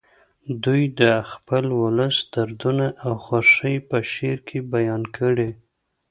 دوی د خپل ولس دردونه او خوښۍ په شعر کې بیان کړي